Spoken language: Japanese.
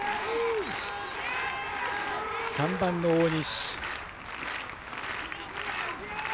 ３番の大西。